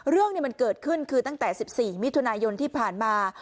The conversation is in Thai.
เรื่องนี้มันเกิดขึ้นคือตั้งแต่๑๔มิถุนายนที่ผ่านมา